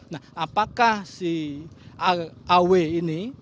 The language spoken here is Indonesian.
nah apakah si aw ini